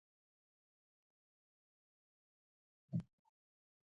ترې لاندې په انګلیسي حروفو سیرا لیکل شوی وو.